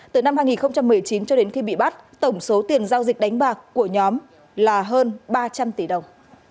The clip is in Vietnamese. từ năm hai nghìn một mươi chín cho đến khi bị bắt tổng số tiền giao dịch đánh bạc của nhóm là hơn ba trăm linh tỷ đồng